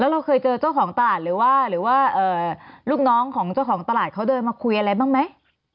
เราเคยเจอเจ้าของตลาดหรือว่าหรือว่าลูกน้องของเจ้าของตลาดเขาเดินมาคุยอะไรบ้างไหม